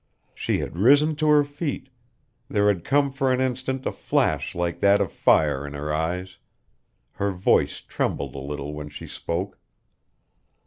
She had risen to her feet; there had come for an instant a flash like that of fire in her eyes; her voice trembled a little when she spoke.